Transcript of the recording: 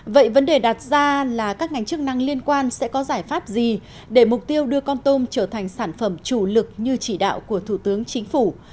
vậy vấn đề đặt ra là các ngành chức năng liên quan sẽ có giải pháp gì để mục tiêu đưa con tôm trở thành sản phẩm chủ lực như chỉ đạo của thủ tướng chính phủ